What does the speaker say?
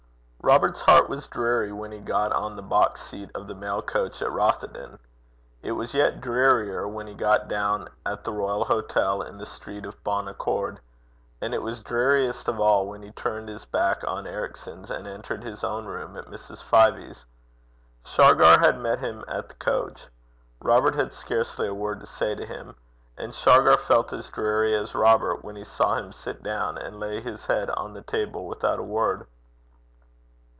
Robert's heart was dreary when he got on the box seat of the mail coach at Rothieden it was yet drearier when he got down at The Royal Hotel in the street of Ben Accord and it was dreariest of all when he turned his back on Ericson's, and entered his own room at Mrs. Fyvie's. Shargar had met him at the coach. Robert had scarcely a word to say to him. And Shargar felt as dreary as Robert when he saw him sit down, and lay his head on the table without a word.